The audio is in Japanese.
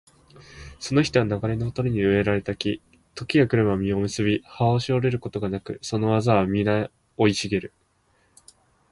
その人は流れのほとりに植えられた木、時が来れば実を結び、葉もしおれることがなく、その業はみな生い茂る